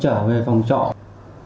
trú tại tổ tám phường yên bái